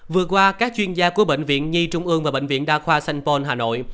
vừa qua các chuyên gia của bệnh viện nhi trung ương và bệnh viện đa khoa sanh pôn hà nội